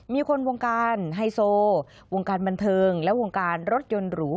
มีคนวงการไฮโซวงการบันเทิงและวงการรถยนต์หรู